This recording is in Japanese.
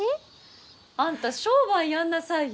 あんた商売やんなさいよ。